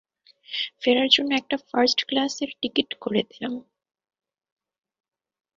ফেরার জন্য একটা ফার্স্ট ক্লাসের টিকিট করে দিলাম।